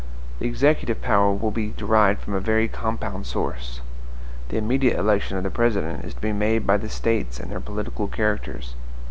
The executive power will be derived from a very compound source. The immediate election of the President is to be made by the States in their political characters.